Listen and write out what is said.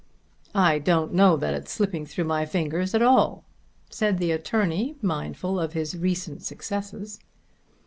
"I don't know that it's slipping through my fingers at all," said the attorney mindful of his recent successes.